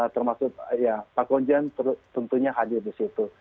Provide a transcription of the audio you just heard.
termasuk ya pak konjen tentunya hadir di situ